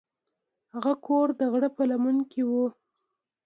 هغه کور د غره په لمن کې و.